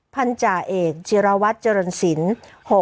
พันธาเอกจิรวัตรเจริญศิลป์